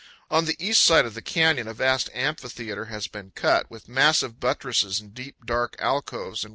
On the east side of the canyon a vast amphitheater has been cut, with massive buttresses and deep, dark alcoves in which powell canyons 108.